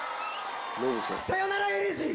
『さよならエレジー』！